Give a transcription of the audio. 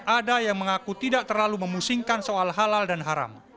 ada yang mengaku tidak terlalu memusingkan soal halal dan haram